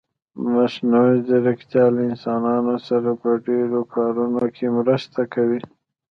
مصنوعي ځيرکتيا له انسانانو سره په ډېرو کارونه کې مرسته کوي.